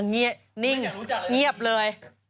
เงียบเลย